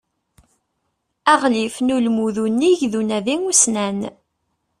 Aɣlif n ulmud unnig d unadi ussnan.